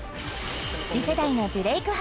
次世代のブレイク